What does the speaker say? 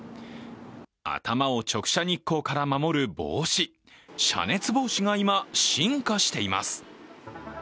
頭を直射日光から守る帽子、遮熱帽子が今、進化しています。